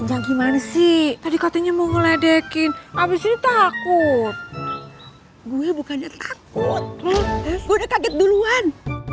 yang gimana sih tadi katanya mau ngeledekin abis ini takut gue bukannya takut gue udah kaget duluan